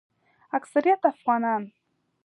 اکثریت افغانان